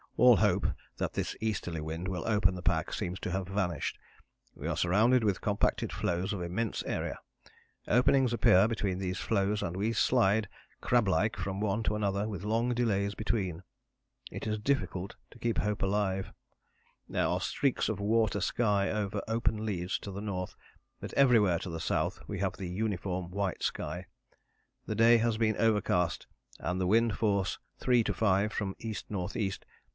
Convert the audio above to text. All hope that this easterly wind will open the pack seems to have vanished. We are surrounded with compacted floes of immense area. Openings appear between these floes and we slide crab like from one to another with long delays between. It is difficult to keep hope alive. There are streaks of water sky over open leads to the north, but everywhere to the south we have the uniform white sky. The day has been overcast and the wind force 3 to 5 from the E.N.